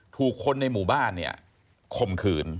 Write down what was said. ถูกคนในหมู่บ้านคมขืน